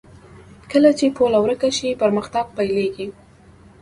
کله چې پوله ورکه شي، پرمختګ پيلېږي.